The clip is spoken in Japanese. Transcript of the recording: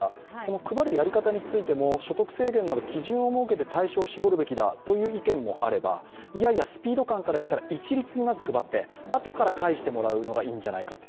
給付金という方法自体に個人的には懐疑的なんですが、配るやり方についても所得制限など基準を設けて対象を絞るべきだという意見もあればいやいやスピード感からいったら一律にまず配って、あとから返してもらうのがいいんじゃないかと。